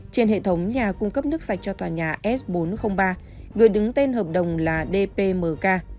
trên hệ thống nhà cung cấp nước sạch cho tòa nhà s bốn trăm linh ba người đứng tên hợp đồng là dpmk